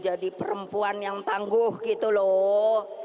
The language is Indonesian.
jadi perempuan yang tangguh gitu loh